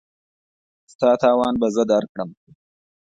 ستا تاوان به زه درکړم.